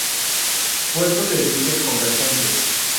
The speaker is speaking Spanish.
Puerto de diques convergentes.